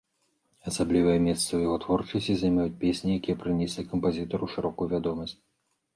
Асаблівае месца ў яго творчасці займаюць песні, якія прынеслі кампазітару шырокую вядомасць.